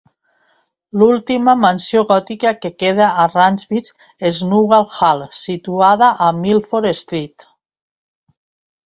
L'última mansió gòtica que queda a Randwick és Nugal Hall, situada a Milford Street.